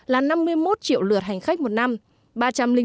là năm mươi một triệu lượt hành khách một năm